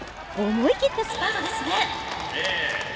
思い切ったスパートですねええ